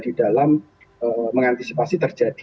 di dalam mengantisipasi terjadi